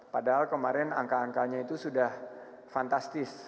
padahal kemarin angka angkanya itu sudah fantastis